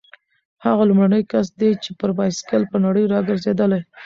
هغه لومړنی کس دی چې پر بایسکل په نړۍ راګرځېدلی.